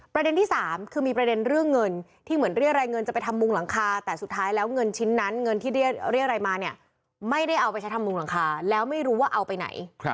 ประเด็นที่สามคือมีประเด็นเรื่องเงินที่เหมือนเรียกรายเงินจะไปทำมุงหลังคาแต่สุดท้ายแล้วเงินชิ้นนั้นเงินที่เรียกอะไรมาเนี่ยไม่ได้เอาไปใช้ทำมุงหลังคาแล้วไม่รู้ว่าเอาไปไหน